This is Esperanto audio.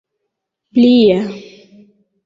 plia